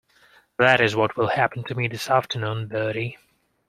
That is what will happen to me this afternoon, Bertie.